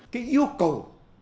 cái yêu cầu